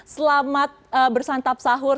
selamat bersantap sahur